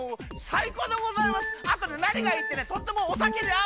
あとねなにがいいってねとってもおさけにあうんです。